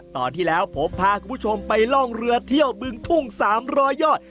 ตอนที่แล้วผมพาคุณผู้ชมไปล่องเรือเที่ยวบึงทุ่ง๓๐๐ยอด